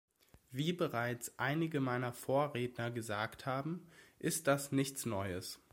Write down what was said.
Wie bereits einige meiner Vorredner gesagt haben, ist das nichts Neues.